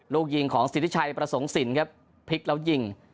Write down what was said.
ลูกยิงของสิทธิชัยประสงค์สินครับพลิกแล้วยิง